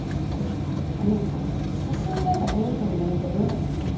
あっあの差し押さえたこの人のものってどうなるんですか？